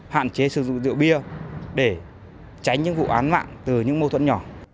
hạn chế sử dụng rượu bia để tránh những vụ án mạng từ những mâu thuẫn nhỏ